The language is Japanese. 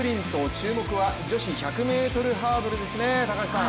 注目は女子１００ｍハードルですね、高橋さん。